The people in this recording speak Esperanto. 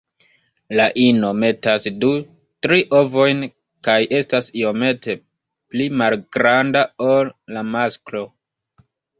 La ino metas du-tri ovojn kaj estas iomete pli malgranda ol la masklo.